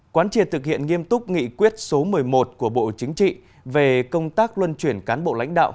quán triệt thực hiện nghiêm túc nghị quyết số một mươi một của bộ chính trị về công tác luân chuyển cán bộ lãnh đạo